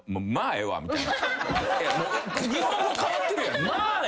・日本語変わってるやん。